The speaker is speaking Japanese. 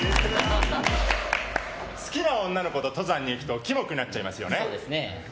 好きな女の子と登山に行くとキモくなっちゃいますよね。